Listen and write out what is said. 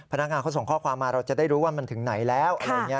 พนักงานเขาส่งข้อความมาเราจะได้รู้ว่ามันถึงไหนแล้ว